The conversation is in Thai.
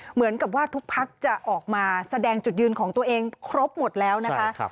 เหมือนกับว่าทุกพักจะออกมาแสดงจุดยืนของตัวเองครบหมดแล้วนะคะ